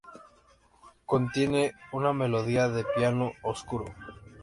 Contiene una melodía de piano oscuro.